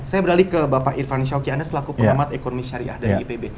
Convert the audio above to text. saya beralih ke bapak irfan syawki anda selaku pengamat ekonomi syariah dari ipb